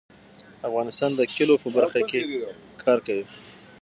افغانستان د کلیو په برخه کې کار کوي.